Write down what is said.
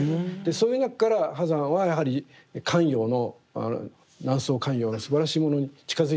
そういう中から波山はやはり官窯の南宋官窯のすばらしいものに近づいていくと。